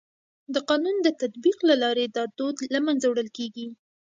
د قانون د تطبیق له لارې دا دود له منځه وړل کيږي.